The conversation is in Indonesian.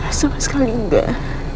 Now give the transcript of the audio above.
rasanya sekali enggak